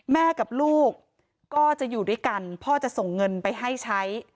แม่กับลูกก็จะอยู่ด้วยกันพ่อจะส่งเงินไปให้ใช้